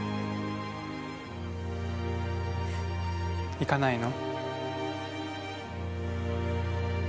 行かないの？